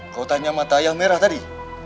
kau tanya mata yang merah tadi